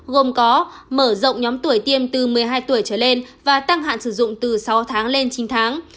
gồm có mở rộng nhóm tuổi tiêm từ một mươi hai tuổi trở lên và tăng hạn sử dụng từ sáu tháng lên chín tháng